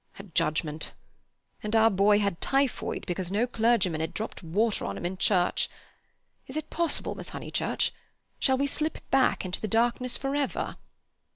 A judgement! And our boy had typhoid because no clergyman had dropped water on him in church! Is it possible, Miss Honeychurch? Shall we slip back into the darkness for ever?"